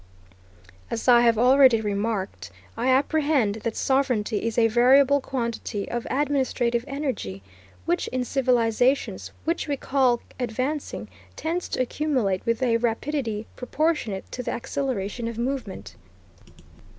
As I have already remarked, I apprehend that sovereignty is a variable quantity of administrative energy, which, in civilizations which we call advancing, tends to accumulate with a rapidity proportionate to the acceleration of movement.